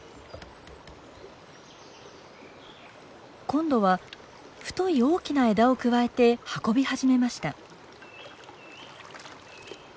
今度は太い大きな枝をくわえて運び始めました。